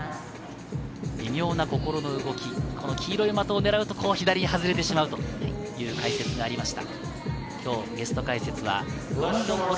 微妙な心の動き、黄色い的を狙うと左に外れてしまうという解説もありました。